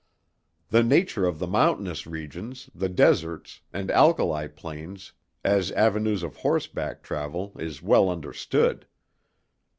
The nature of the mountainous regions, the deserts, and alkali plains as avenues of horseback travel is well understood.